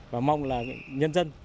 và mong là nhân dân